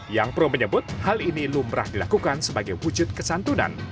yang pro menyebut hal ini lumrah dilakukan sebagai wujud kesantunan